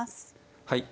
はい。